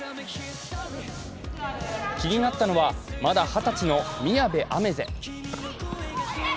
気になったのは、まだ二十歳の宮部愛芽世。